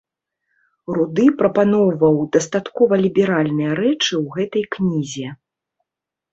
Руды прапаноўваў дастаткова ліберальныя рэчы ў гэтай кнізе.